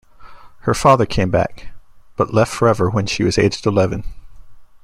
Her father came back, but left forever when she was aged eleven.